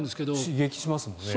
刺激しますもんね。